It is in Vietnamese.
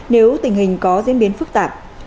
nếu tình hình có diễn biến phức tạp